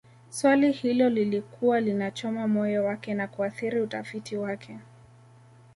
Swali hilo lilikuwa linachoma moyo wake na kuathiri utafiti wake